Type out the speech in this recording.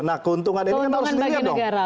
nah keuntungan ini kan harus dilihat dong